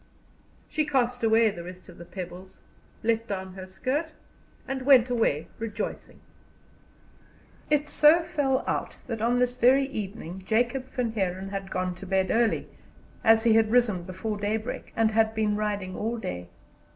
She cast away the rest of the pebbles, let down her skirt, and went away rejoicing. It so fell out that on this very evening Jacob Van Heeren had gone to bed early, as he had risen before daybreak, and had been riding all day.